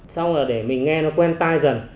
xong rồi để mình nghe nó quen tai dần